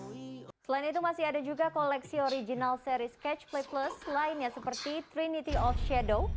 selain itu masih ada juga koleksi original series catch play plus lainnya seperti trinity of shadow